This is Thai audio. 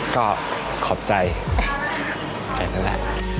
ก็ขอบใจแค่นั้นแหละ